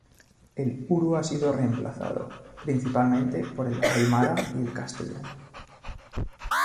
El uru ha sido reemplazado, principalmente, por el aimara y el castellano.